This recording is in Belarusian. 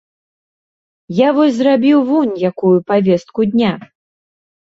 Я вось зрабіў вунь якую павестку дня.